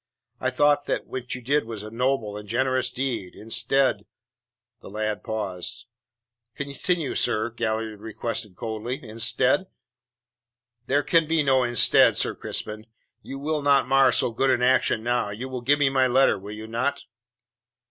I thought that what you did was a noble and generous deed. Instead " The lad paused. "Continue, sir," Galliard requested coldly. "Instead?" "There can be no instead, Sir Crispin. You will not mar so good an action now. You will give me my letter, will you not?"